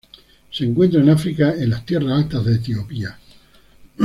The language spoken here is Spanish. Se encuentra en África en las tierras altas de Etiopía.